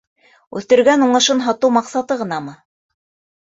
Үҫтергән уңышын һатыу маҡсаты ғынамы?